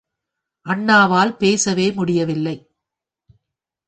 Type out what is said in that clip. அண்ணாவால் பேசவே முடியவில்லை.